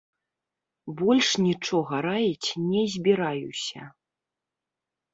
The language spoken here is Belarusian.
Больш нічога раіць не збіраюся.